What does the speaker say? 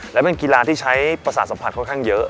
และเป็นกีฬาที่ใช้ประสาทสัมผัสค่อนข้างเยอะ